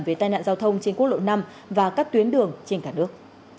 về tai nạn giao thông trên quốc lộ năm và các tuyến đường trên cả nước